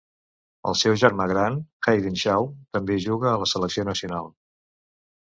El seu germà gran, Hayden Shaw, també juga a la selecció nacional.